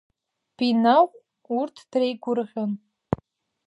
Бинаҟә урҭ дреигәырӷьон.